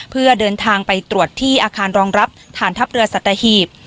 เพื่อเดินทางไปตรวจที่อาคารรองรับฐานทัพเรือสัตหีบ